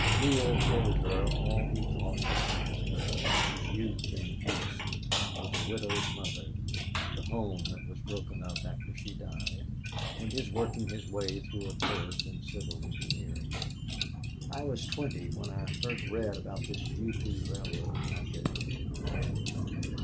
Neale told all that he thought would interest her about his youth in the East with a widowed mother, the home that was broken up after she died, and his working his way through a course of civil engineering. "I was twenty when I first read about this U. P. railroad project," he went on.